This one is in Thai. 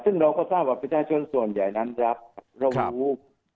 ซึ่งเราก็ทราบว่าประชาชนส่วนใหญ่นั้นรับเรารู้